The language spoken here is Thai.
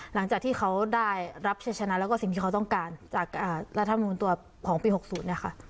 หลังจากที่เขาได้รับเฉชชนะแล้วก็สิ่งที่เขาต้องการจากอ่ารัฐธรรมบุญตัวของปีหกศูนย์เนี่ยค่ะ